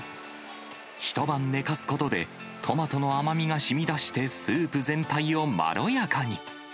一晩寝かすことで、トマトの甘みがしみだして、スープ全体をまろやかに。